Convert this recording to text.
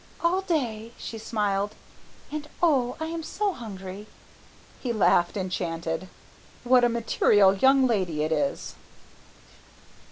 "All day," she smiled; "and oh, I am so hungry!" He laughed, enchanted. "What a material young lady it is."